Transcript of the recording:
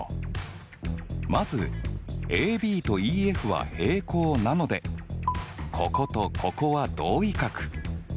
まずＡＢとＥＦは平行なのでこことここは同位角。